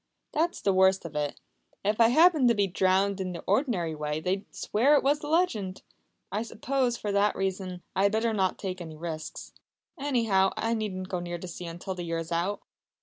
"That's the worst of it! If I happened to be drowned in the ordinary way they'd swear it was the legend. I suppose, for that reason, I had better not take any risks. Anyhow, I needn't go near the sea until the year is out!"